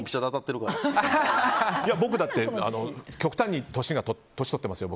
僕だって極端に年とってますよ。